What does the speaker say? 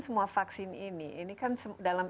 semua vaksin ini ini kan dalam